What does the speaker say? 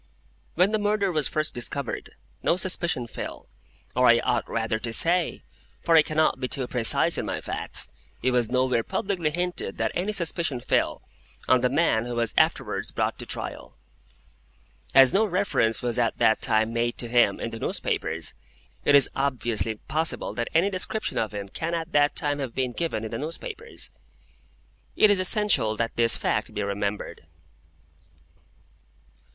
When the murder was first discovered, no suspicion fell—or I ought rather to say, for I cannot be too precise in my facts, it was nowhere publicly hinted that any suspicion fell—on the man who was afterwards brought to trial. As no reference was at that time made to him in the newspapers, it is obviously impossible that any description of him can at that time have been given in the newspapers. It is essential that this fact be remembered.